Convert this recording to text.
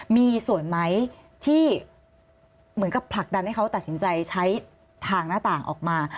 มีส่วนไหมที่เหมือนกับผลักดันให้เขาตัดสินใจใช้ทางหน้าต่างออกมา